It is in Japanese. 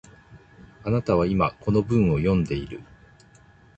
あなたは今、この文を読んでいる